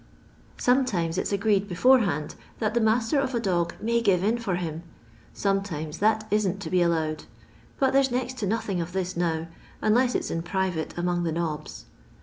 Sometimes it 's agreed beforehand, that the master of a dog may give in for him ; sometimes that isn't to bo allowed ; but there 's next to nothing of this now, unless it 's in private among the nobs."